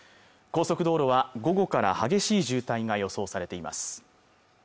高速道路は午後から激しい渋滞が予想されています